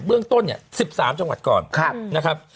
เรื่องต้นเนี่ย๑๓จังหวัดก่อนนะครับ